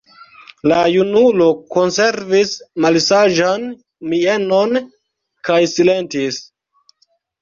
La junulo konservis malsaĝan mienon kaj silentis.